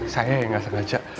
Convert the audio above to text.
saya yang gak sengaja